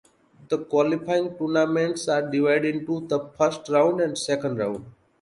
The qualifying tournaments are divided into the First round and Second round.